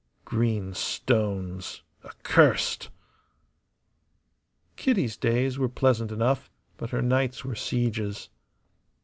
Green stones, accursed. Kitty's days were pleasant enough, but her nights were sieges.